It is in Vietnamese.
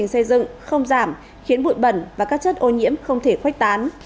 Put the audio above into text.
các bộ trình xây dựng không giảm khiến bụi bẩn và các chất ô nhiễm không thể khoách tán